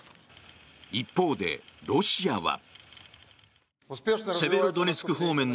一方でロシアは。